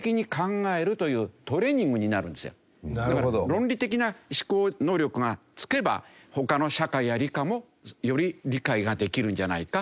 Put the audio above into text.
論理的な思考能力がつけば他の社会や理科もより理解ができるんじゃないか？